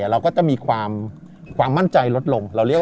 เราก็จะมีความมั่นใจลดลง